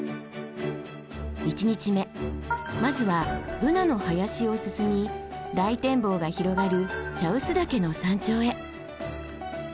１日目まずはブナの林を進み大展望が広がる茶臼岳の山頂へ。